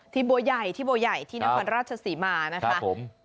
อ๋อที่บัวใหญ่ที่บัวใหญ่ที่นครราชศรีมานะครับ